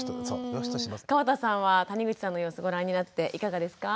川田さんは谷口さんの様子ご覧になっていかがですか？